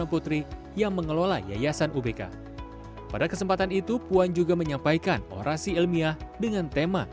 puan mengajak para wisudawan wisudawan wisudah menjelaskan orasi ilmiah dengan tema